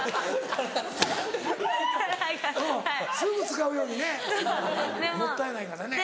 すぐ使うようにねもったいないからね。